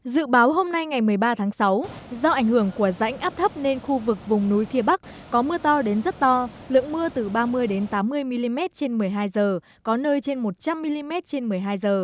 dự báo hôm nay ngày một mươi ba tháng sáu do ảnh hưởng của rãnh áp thấp nên khu vực vùng núi phía bắc có mưa to đến rất to lượng mưa từ ba mươi tám mươi mm trên một mươi hai h có nơi trên một trăm linh mm trên một mươi hai h